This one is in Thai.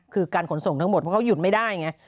คือการขนส่งทั้งหมดเพราะเขาหยุดไม่ได้ไง